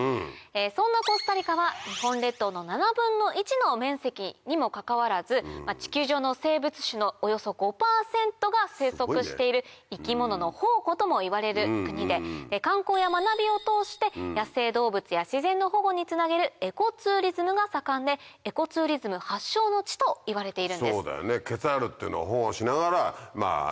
そんなコスタリカは日本列島の１／７の面積にもかかわらず地球上の生物種のおよそ５％が生息している生き物の宝庫ともいわれる国で観光や学びを通して野生動物や自然の保護につなげるエコツーリズムが盛んでエコツーリズム発祥の地といわれているんです。